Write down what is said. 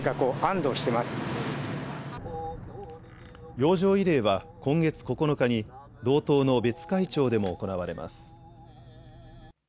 洋上慰霊は今月９日に道東の別海町でも行われます。